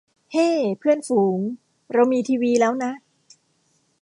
เฮ้ เพื่อนฝูง เรามีทีวีแล้วนะ